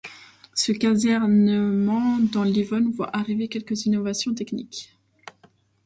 Ce casernement dans l'Yonne voit arriver quelques innovations techniques.